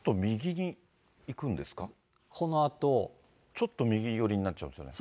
ちょっと右寄りになっちゃいますね。